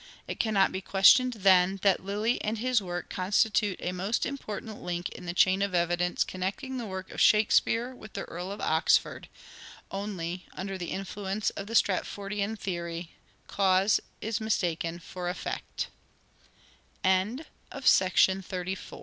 It cannot be questioned, then, that Lyly and his work constitute a most important link in the chain of evidence connecting the work of " Shakespeare " with the Earl of Oxford ; only, under the influence of the Stratfordian theory, cause i